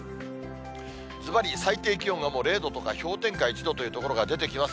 ずばり最低気温がもう０度とか、氷点下１度という所が出てきます。